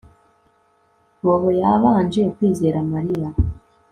Bobo yabanje kwizera Mariya